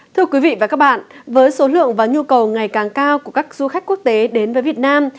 thưa quý vị và các bạn với số lượng và nhu cầu ngày càng cao của các du khách quốc tế đến với việt nam